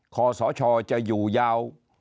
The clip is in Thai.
ค่อยส่งศาลจริงจะอยู่ยาว